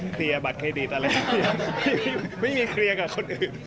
เคลียร์บัตรเครดิตอะไรเคลียร์ไม่มีเคลียร์กับคนอื่น